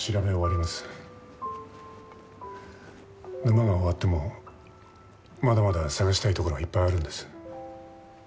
沼が終わってもまだまだ捜したい所はいっぱいあるんです。